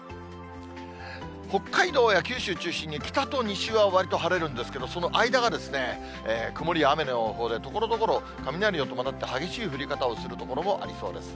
北海道や九州中心に、北と西はわりと晴れるんですけれども、その間が曇りや雨の予報で、ところどころ、雷を伴って激しい降り方をする所もありそうです。